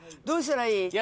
どうしたらいい？